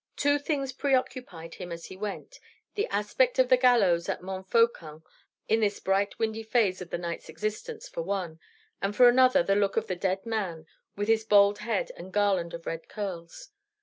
Two things preoccupied him as he went: the aspect of the gallows at Montfaucon in this bright windy phase of the night's existence, for one; and for another, the look of the dead man with his bald head and garland of red curls.